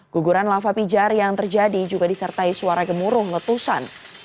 guguran lava pijar yang terjadi juga disertai suara gemuruh letusan